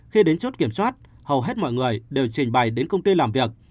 khi đến chốt kiểm soát hầu hết mọi người đều trình bày đến công ty làm việc